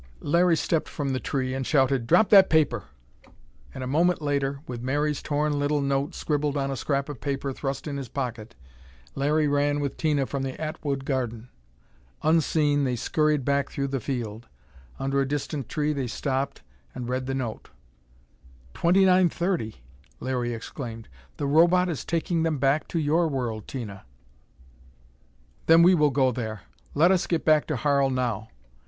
Larry stepped from the tree, and shouted, "Drop that paper!" And a moment later, with Mary's torn little note scribbled on a scrap of paper thrust in his pocket, Larry ran with Tina from the Atwood garden. Unseen they scurried back through the field. Under a distant tree they stopped and read the note. "2930!" Larry exclaimed. "The Robot is taking them back to your world, Tina!" "Then we will go there. Let us get back to Harl, now."